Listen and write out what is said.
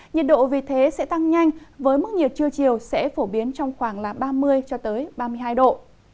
nhiệt độ vì thế sẽ tăng nhanh với mức nhiệt trưa chiều sẽ phổ biến trong khoảng là ba mươi cho tới ba mươi hai độ